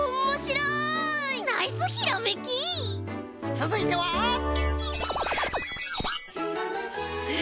つづいては。え！